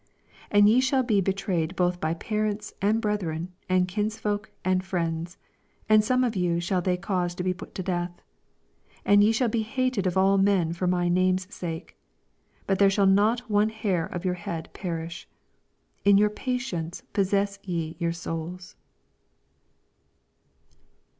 16 And ye shall be betrayed boti by parents, and brethren, and kins folks, and friends ; and some of you shall they cause to be put to death. 17 And ye shall be hated of all mm for my name^s «ake. 18 But there shall not a hair of your head perish, 19 In your patience possess ye your souls.